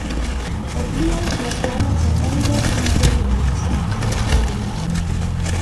The village was one of the earliest settlements in the area.